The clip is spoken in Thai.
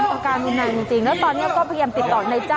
อาการอุณหารจริงแล้วตอนนี้ก็พยิมต์ติดต่อใน